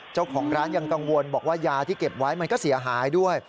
เจ้าของร้านยังกังวลบอกว่ายาที่เก็บไว้มันก็เสียหายด้วย